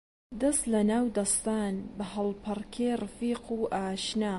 دەس لە ناو دەستان، بە هەڵپەڕکێ ڕەفیق و ئاشنا